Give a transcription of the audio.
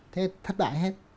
thế thất bại hết